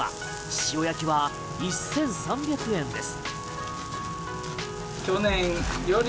塩焼きは１３００円です。